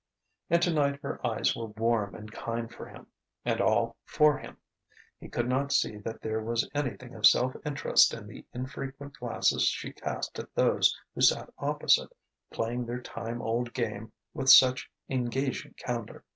And tonight her eyes were warm and kind for him, and all for him. He could not see that there was anything of self interest in the infrequent glances she cast at those who sat opposite, playing their time old game with such engaging candour.